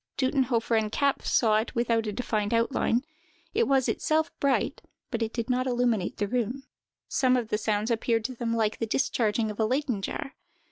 Duttenhofer and Kapff saw it without a defined outline; it was itself bright, but did not illuminate the room. Some of the sounds appeared to them like the discharging of a Leyden jar.